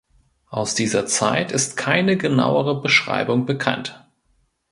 Aus dieser Zeit ist keine genauere Beschreibung bekannt.